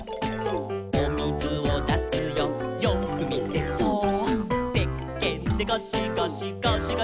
「おみずをだすよよーくみてそーっ」「せっけんでゴシゴシゴシゴシ」